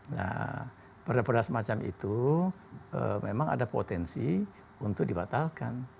nah perda perda semacam itu memang ada potensi untuk dibatalkan